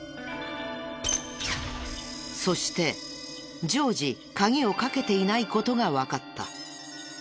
そして常時鍵をかけていない事がわかった。